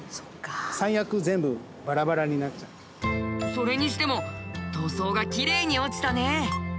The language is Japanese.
それにしても塗装がきれいに落ちたね。